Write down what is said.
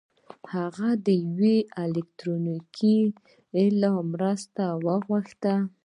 هغه د يوې الکټرونيکي الې مرسته وغوښته.